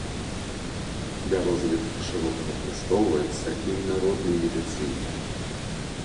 Бярозавік шырока выкарыстоўваецца і ў народнай медыцыне.